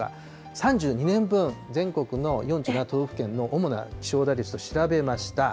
３２年分、全国の４７都道府県の主な気象台のを調べました。